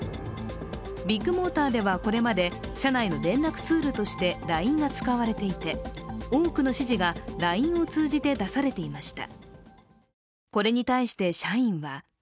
ビッグモーターでは、これまで社内の連絡ツールとしてＬＩＮＥが使われていて多くの指示がＬＩＮＥを通じて出されていました。